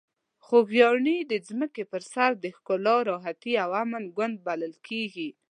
خوږیاڼي د ځمکې په سر د ښکلا، راحتي او امن ګوند بلل کیږي.